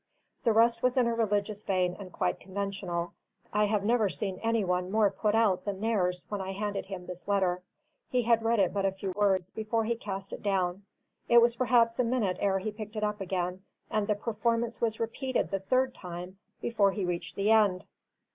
The rest was in a religious vein and quite conventional. I have never seen any one more put out than Nares, when I handed him this letter; he had read but a few words, before he cast it down; it was perhaps a minute ere he picked it up again, and the performance was repeated the third time before he reached the end.